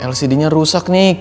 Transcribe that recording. lcdnya rusak nih